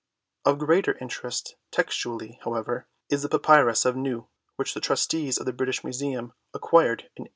Of greater interest textually, however, is the Papyrus of Nu, which the Trustees of the British Museum acquired in 1890.